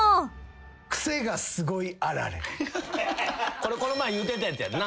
これこの前言うてたやつやんな。